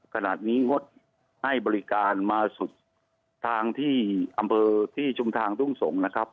ขนาดนี้งดให้บริการมาสุดทางที่อำเภอที่ชุมทางทุ่งสงศ์นะครับ